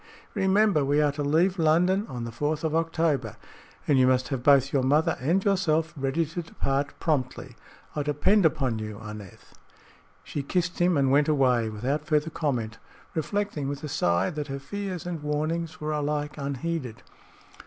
Remember, we are to leave London on the fourth of October and you must have both your mother and yourself ready to depart promptly. I depend upon you, Aneth." She kissed him and went away without further comment, reflecting, with a sigh, that her fears and warnings were alike unheeded.